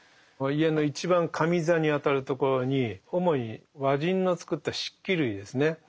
家の一番上座にあたるところに主に和人の作った漆器類ですね。